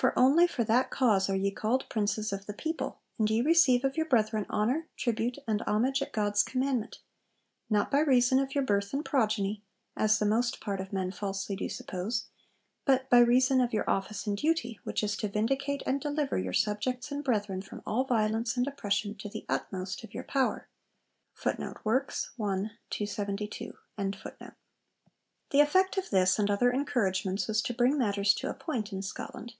For only for that cause are ye called Princes of the people, and ye receive of your brethren honour, tribute and homage at God's commandment; not by reason of your birth and progeny (as the most part of men falsely do suppose), but by reason of your office and duty, which is to vindicate and deliver your subjects and brethren from all violence and oppression, to the utmost of your power.' The effect of this and other encouragements was to bring matters to a point in Scotland.